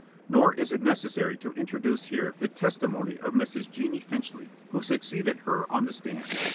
Nor is it necessary to introduce here the testimony of Mrs. Jennie Finchley, who succeeded her on the stand.